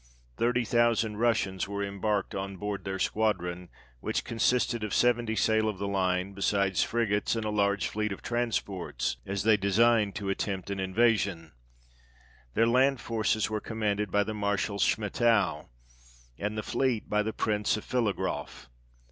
Thirty thousand Russians were embarked on board their squadron, which consisted of seventy sail of the line, besides frigates and a large fleet of transports, as they designed to attempt an invasion : their land forces were commanded by the Marshal Schmettau, and the fleet by the Prince of PhiligrofF.